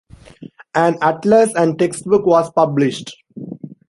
An Atlas and Text Book.' was published.